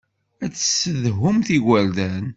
Ad tessedhumt igerdan.